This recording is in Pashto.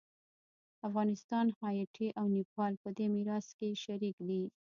افغانستان، هایټي او نیپال په دې میراث کې شریک دي.